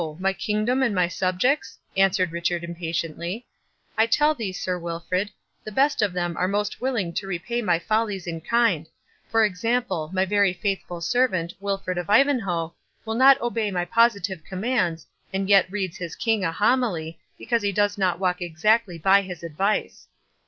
my kingdom and my subjects?" answered Richard, impatiently; "I tell thee, Sir Wilfred, the best of them are most willing to repay my follies in kind—For example, my very faithful servant, Wilfred of Ivanhoe, will not obey my positive commands, and yet reads his king a homily, because he does not walk exactly by his advice.